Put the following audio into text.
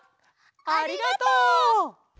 ありがとう！